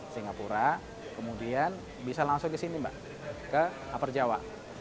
singapura kemudian bisa langsung ke sini mbak ke aparjawa